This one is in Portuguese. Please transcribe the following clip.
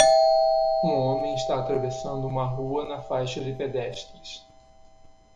Um homem está atravessando uma rua na faixa de pedestres.